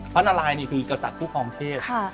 พระนารายนี่คือกษัตริย์ผู้ครองเทพ